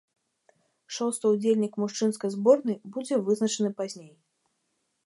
Шосты ўдзельнік мужчынскай зборнай будзе вызначаны пазней.